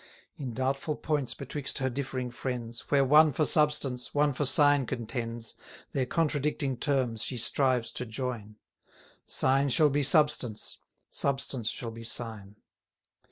In doubtful points betwixt her differing friends, 410 Where one for substance, one for sign contends, Their contradicting terms she strives to join; Sign shall be substance, substance shall be sign.